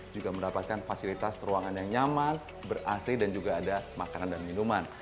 juga mendapatkan fasilitas ruangan yang nyaman ber ac dan juga ada makanan dan minuman